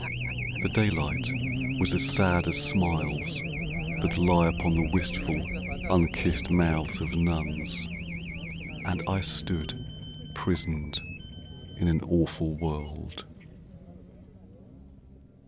The daylight was as sad as smiles that lie Upon the wistful, unkissed mouths of nuns, And I stood prisoned in an awful world.